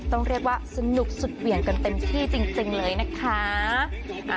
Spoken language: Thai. ต้องเรียกว่าสนุกสุดเหวี่ยงกันเต็มที่จริงเลยนะคะ